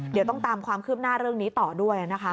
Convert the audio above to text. เดี๋ยวต้องตามความคืบหน้าเรื่องนี้ต่อด้วยนะคะ